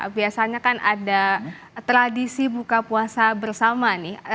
biasanya kan ada tradisi buka puasa bersama nih